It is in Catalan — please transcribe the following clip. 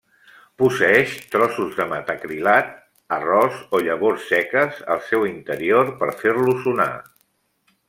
Posseeix trossos de metacrilat, arròs o llavors seques al seu interior per fer-lo sonar.